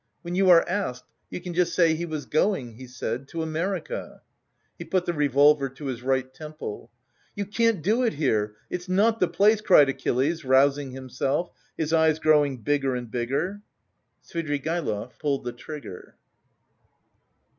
When you are asked, you just say he was going, he said, to America." He put the revolver to his right temple. "You can't do it here, it's not the place," cried Achilles, rousing himself, his eyes growing bigger and bigger. Svidrigaïlov pulled the trigger.